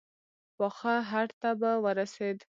پاخه هډ ته به ورسېد.